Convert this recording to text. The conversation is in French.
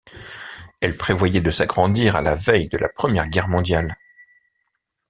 Elle prévoyait de s'agrandir à la veille de la Première Guerre mondiale.